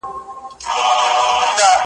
چي د اوښکو په ګودر کي د ګرېوان کیسه کومه `